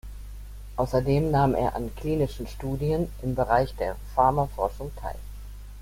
Außerdem nahm er an klinischen Studien im Bereich der Pharmaforschung teil.